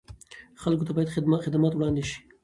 خلکو ته باید خدمات وړاندې شي.